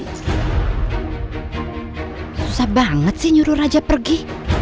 susah banget sih nyuruh raja pergi